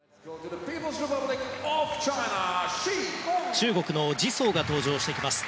中国のジ・ソウが登場してきます。